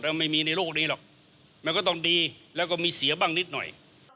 ไม่มีในโลกนี้หรอกมันก็ต้องดีแล้วก็มีเสียบ้างนิดหน่อย